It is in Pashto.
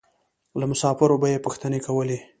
له مسافرو به یې پوښتنې کولې.